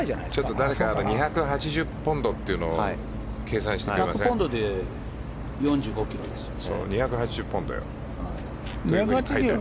誰か２８０ポンドというのを計算してください。